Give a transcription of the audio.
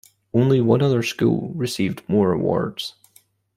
Only one other school received more awards.